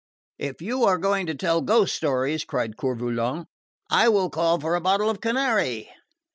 '" "If you are going to tell ghost stories," cried Coeur Volant, "I will call for a bottle of Canary!"